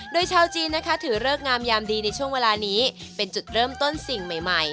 โดยชาวจีนนะคะถือเลิกงามยามดีในช่วงเวลานี้เป็นจุดเริ่มต้นสิ่งใหม่